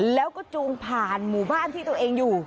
แล้วก็จูงผ่านหมู่บ้านที่ตัวเองอยู่